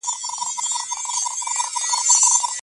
اسلامي شريعت د انسان د ژوند په مختلفو برخو کي حللاري لري.